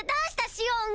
シオン！